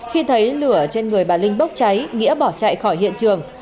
khi thấy lửa trên người bà linh bốc cháy nghĩa bỏ chạy khỏi hiện trường